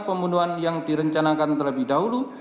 pembunuhan yang direncanakan terlebih dahulu